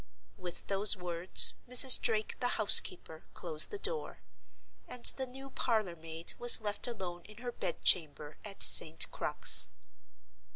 With those words, Mrs. Drake, the housekeeper, closed the door; and the new parlor maid was left alone in her bed chamber at St. Crux.